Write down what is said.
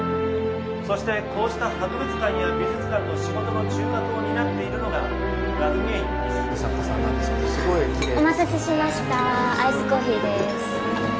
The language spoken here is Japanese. そしてこうした博物館や美術館の仕事の中核を担っているのが学芸員です作家さんなんですけどお待たせしましたアイスコーヒーです